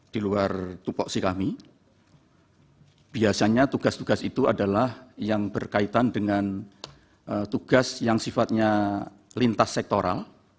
di luar tupoksi kami biasanya tugas tugas itu adalah yang berkaitan dengan tugas yang sifatnya lintas sektoral